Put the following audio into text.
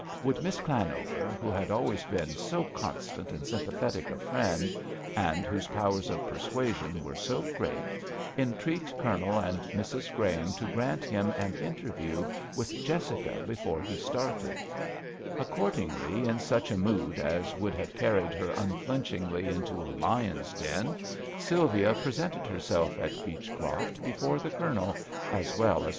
Would Miss Llanover, who had always been so constant and sympathetic a friend, and whose powers of persuasion were so great, entreat Colonel and Mrs. Graham to grant him an interview with Jessica before he started? Accordingly, in such a mood as would have carried her unflinching into a lion's den, Sylvia presented herself at Beech croft before the Colonel, as well as Mrs. Graham, to make this astonishing demand. f 92 THE VIOLIN OfiBLlGATO.